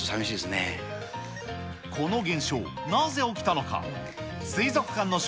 この現象、なぜ起きたのか。